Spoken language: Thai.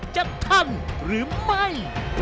จะทันหรือไม่